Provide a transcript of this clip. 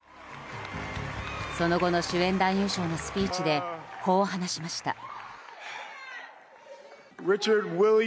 その後の主演男優賞のスピーチでこう話しました。